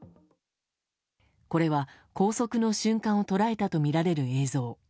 これは拘束の瞬間を捉えたとみられる映像。